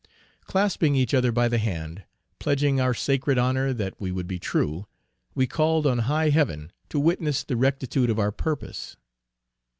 Clasping each other by the hand, pledging our sacred honor that we would be true, we called on high heaven to witness the rectitude of our purpose.